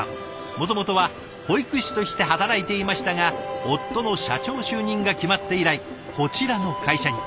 もともとは保育士として働いていましたが夫の社長就任が決まって以来こちらの会社に。